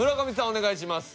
お願いします。